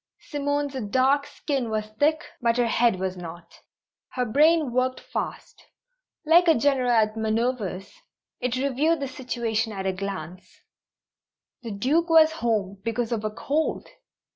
Simone's dark skin was thick, but her head was not. Her brain worked fast. Like a general at manoeuvres, it reviewed the situation at a glance. The Duke was at home because of a "_cold!